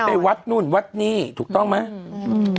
ไปวัดนู่นวัดนี่ถูกต้องไหม